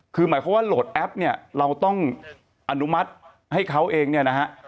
คือหมายความว่าโหลดแอปเนี่ยเราต้องอนุมัติให้เขาเองเนี่ยนะฮะ